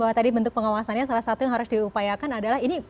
bahwa tadi bentuk pengawasannya salah satu yang harus diupayakan adalah ini